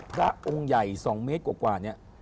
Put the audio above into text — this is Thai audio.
พระองค์ใหญ่๒เมตรกว่าเนี่ย